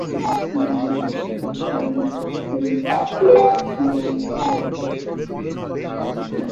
মানুষের মধ্যে যে স্বাভাবিক শক্তি রহিয়াছে, তাহার বিকাশই ধর্ম।